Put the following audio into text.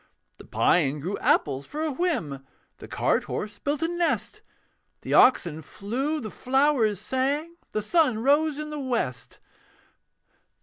The pine grew apples for a whim, The cart horse built a nest; The oxen flew, the flowers sang, The sun rose in the west.